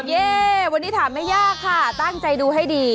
เย่วันนี้ถามไม่ยากค่ะตั้งใจดูให้ดี